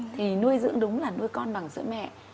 thì nuôi dưỡng đúng là nuôi con bằng sữa mẹ